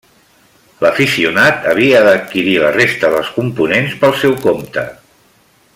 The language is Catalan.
L'aficionat havia d'adquirir la resta dels components pel seu compte.